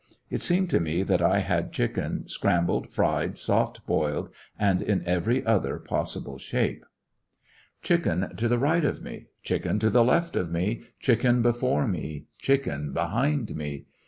It seemed to me that I had chicken scrambled, fried, soft boiled, and in every other possible shape. 77ie charge of Chicken to the right of me, chicken to the ^Mgade^ left of me, chicken before me, chicken behind me